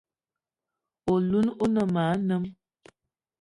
Oloun o ne ma anem.